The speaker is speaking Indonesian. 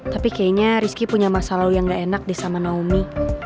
tapi kayaknya rizky punya masa lalu yang gak enak di sama naomi